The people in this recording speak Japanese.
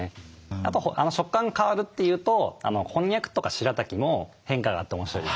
あと食感が変わるっていうとこんにゃくとかしらたきも変化があって面白いですね。